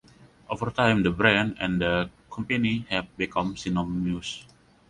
Over time the brand and the company have become synonymous.